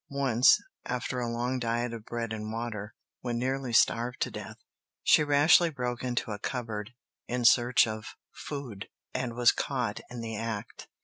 Once, after a long diet of bread and water, when nearly starved to death, she rashly broke into a cupboard in search of food and was caught in the act.